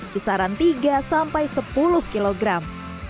kisaran tiga sampai sepuluh kilogram